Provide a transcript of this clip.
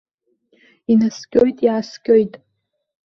Инаскьоит, иааскьоит.